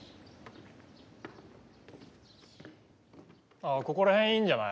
ああここら辺いいんじゃない？